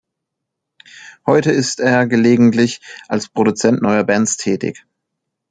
Heute ist er gelegentlich als Produzent neuer Bands tätig.